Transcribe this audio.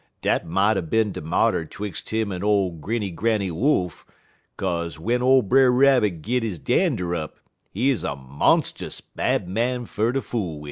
Dat mought er bin de marter 'twix' him en ole Grinny Granny Wolf, 'kaze w'en ole Brer Rabbit git he dander up, he 'uz a monst'us bad man fer ter fool wid.